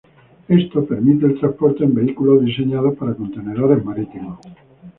Esto permite el transporte en vehículos diseñados para contenedores marítimos.